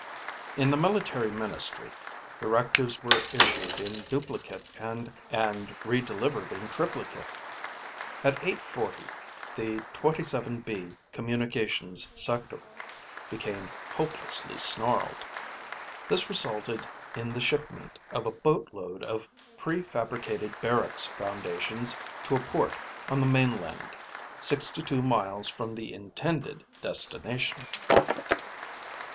In the military ministry, directives were issued in duplicate and redelivered in triplicate. At eight forty, the 27B Communications Sector became hopelessly snarled. This resulted in the shipment of a boatload of prefabricated barracks foundations to a port on the mainland sixty two miles from the intended destination.